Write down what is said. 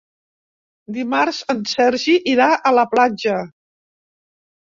Dimarts en Sergi irà a la platja.